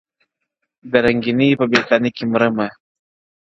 • د رنګینۍ په بېلتانه کي مرمه -